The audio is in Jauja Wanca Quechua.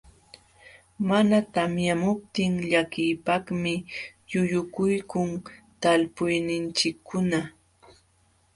Mana tamyamuptin llakiypaqmi quyukuykun talpuyninchikkuna.